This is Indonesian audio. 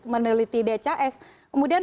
meneliti dcs kemudian